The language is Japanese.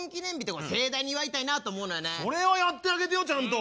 それはやってあげてよちゃんと。